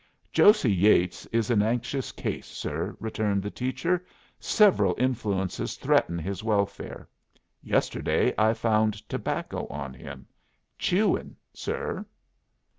"Josey Yeatts is an anxious case, sir," returned the teacher. "Several influences threaten his welfare. Yesterday I found tobacco on him. Chewing, sir."